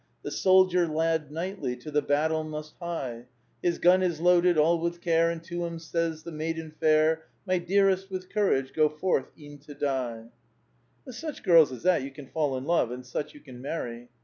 The soldier lad knightly To the battle must hie. His gun is loaded all with care ; And to him says the maiden fair. My dearest, with courage Go forth e'en to die.i ^^ With such girls as that you can fall in love, and such you can marry."